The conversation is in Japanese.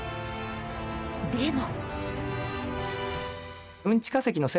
でも。